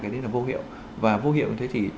cái đấy là vô hiệu và vô hiệu như thế thì